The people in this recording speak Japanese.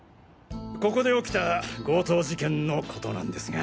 ここで起きた強盗事件のことなんですが。